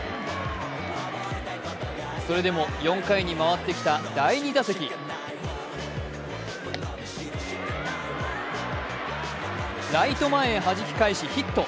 それでも４回に回ってきた第２打席、ライト前へ弾き返しヒット。